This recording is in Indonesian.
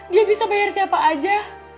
dia bisa bayar siapa aja